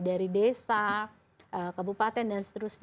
dari desa kabupaten dan seterusnya